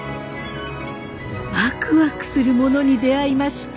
ワクワクするものに出会いました。